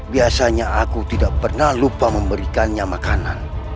biasanya aku tidak pernah lupa memberikannya makanan